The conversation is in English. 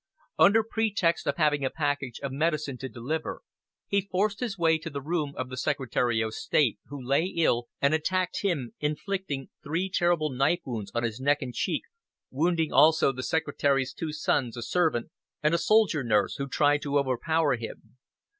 Under pretext of having a package of medicine to deliver, he forced his way to the room of the Secretary of State, who lay ill, and attacked him, inflicting three terrible knife wounds on his neck and cheek, wounding also the Secretary's two sons, a servant, and a soldier nurse who tried to overpower him.